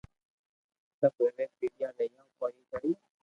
سب ايوي پڙيو رھيو ڪوئي ڪوئي